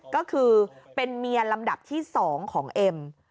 ก็คือเป็นเมียลำดับที่๒ของเอ็ม